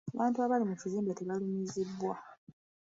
Abantu abali mu kizimbe tebaalumizibwa.